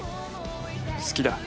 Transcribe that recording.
「好きだ」